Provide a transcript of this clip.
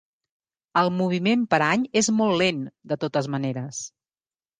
El moviment per any és molt lent, de totes maneres.